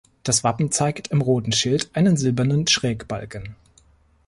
Das Wappen zeigt im roten Schild einen silbernen Schrägbalken.